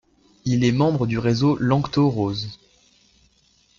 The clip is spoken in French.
Il est membre du réseau Lanctôt-Rose.